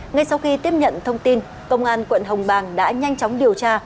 ngay sau khi tiếp nhận thông tin công an quận hồng bàng đã nhanh chóng điều tra